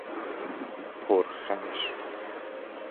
پرخشم